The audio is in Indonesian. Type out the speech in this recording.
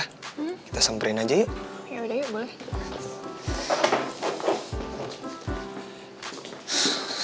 eh kita semperin aja yuk ya udah yuk boleh